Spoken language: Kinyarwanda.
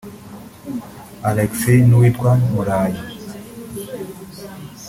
Alexis n’uwitwa Murayi